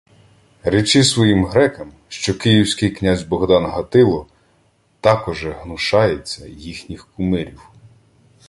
— Речи своїм грекам, що київський князь Богдан Гатило такоже гнушається їхніх кумирів.